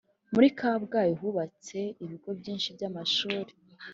muri kabgayi hubatse ibigo byinshi byamashuli